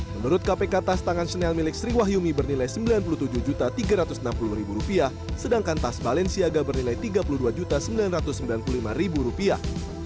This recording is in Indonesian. menurut kpk tas tangan seneal milik sri wahyumi bernilai sembilan puluh tujuh tiga ratus enam puluh rupiah sedangkan tas balenciaga bernilai tiga puluh dua sembilan ratus sembilan puluh lima rupiah